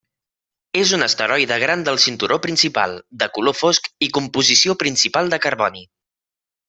És un asteroide gran del cinturó principal, de color fosc i composició principal de carboni.